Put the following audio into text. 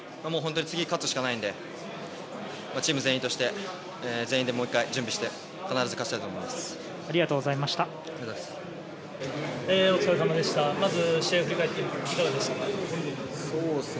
次、勝つしかないのでチーム全員として全員でもう１回、準備して必ず勝ちたいなと思います。